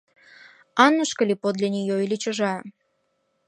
Аннушка ли подле нее или чужая?